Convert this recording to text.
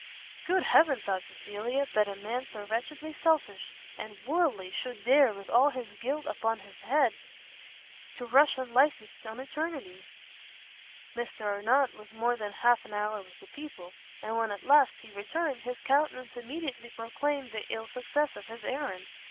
Good Heaven, thought Cecilia, that a man so wretchedly selfish and worldly, should dare, with all his guilt upon his head, To rush unlicenced on eternity! [Footnote: Mason's Elfrida] Mr Arnott was more than half an hour with the people; and when, at last, he returned, his countenance immediately proclaimed the ill success of his errand.